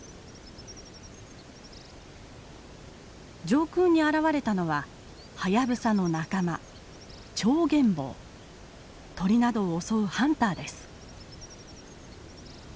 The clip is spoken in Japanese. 上空に現れたのはハヤブサの仲間鳥などを襲うハンターです。